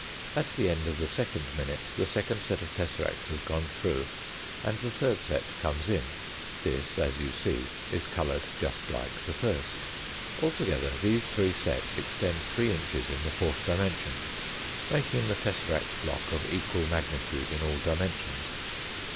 At the end of the' second minute the second set of tesseracts has gone through, and the third set comes in, This, as you see, is coloured just like the first. Altogether, these three sets extend three inches in the fourth dimension, making the tesseract block of equal magnitude in all dimensions.